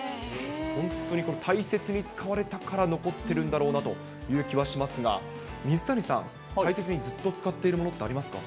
本当に大切に使われたから残ってるんだろうなという気はしますが、水谷さん、大切にずっと使っているものってありますか？